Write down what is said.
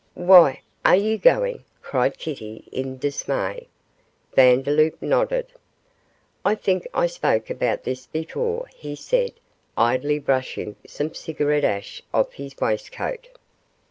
'Why? Are you going?' cried Kitty, in dismay. Vandeloup nodded. 'I think I spoke about this before,' he said, idly brushing some cigarette ash off his waistcoat.